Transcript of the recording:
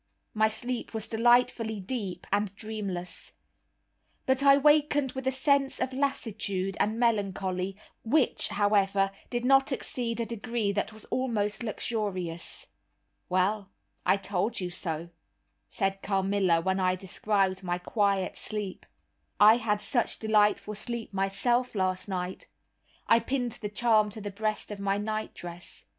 My sleep was delightfully deep and dreamless. But I wakened with a sense of lassitude and melancholy, which, however, did not exceed a degree that was almost luxurious. "Well, I told you so," said Carmilla, when I described my quiet sleep, "I had such delightful sleep myself last night; I pinned the charm to the breast of my nightdress.